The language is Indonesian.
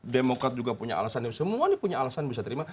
demokrat juga punya alasan semua ini punya alasan yang bisa diterima